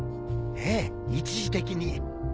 ええ一時的に。